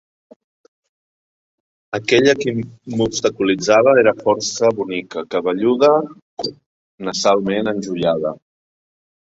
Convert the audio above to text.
Aquella qui m'obstaculitzava era força bonica, cabelluda, nasalment enjoiada.